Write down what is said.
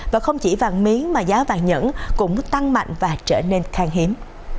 và không chỉ vàng miếng mà giá vàng nhẫn cũng tăng mạnh và trở nên khang hiếm